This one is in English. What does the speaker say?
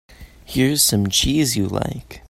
Here's some cheese you like.